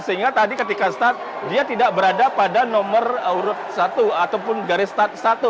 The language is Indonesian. sehingga tadi ketika start dia tidak berada pada nomor urut satu ataupun garis start satu